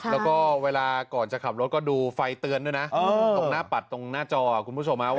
แล้วก็เวลาก่อนจะขับรถก็ดูไฟเตือนด้วยนะตรงหน้าปัดตรงหน้าจอคุณผู้ชมฮะ